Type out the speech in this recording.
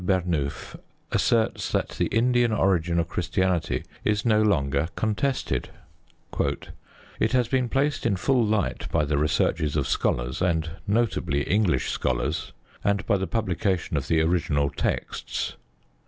Burnouf asserts that the Indian origin of Christianity is no longer contested: It has been placed in full light by the researches of scholars, and notably English scholars, and by the publication of the original texts...